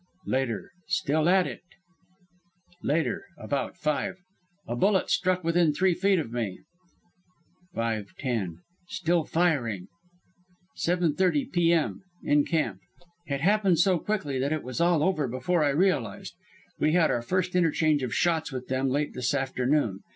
"Later. Still at it. "Later, about five. A bullet struck within three feet of me. "Five ten. Still firing. "Seven thirty P. M., in camp. It happened so quickly that it was all over before I realized. We had our first interchange of shots with them late this afternoon.